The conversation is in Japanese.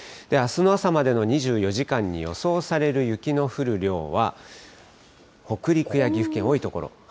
あすの朝までの２４時間に予想される雪の降る量は、北陸や岐阜県、多い所、。